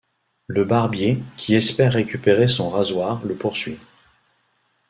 Le barbier, qui espère récupérer son rasoir, le poursuit.